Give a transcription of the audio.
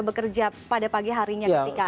bekerja pada pagi harinya ketika